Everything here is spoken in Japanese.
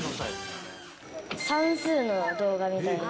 算数の動画みたいな。